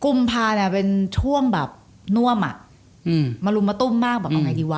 กุมภาเนี่ยเป็นช่วงแบบน่วมอ่ะมารุมมาตุ้มมากแบบตรงไหนดีวะ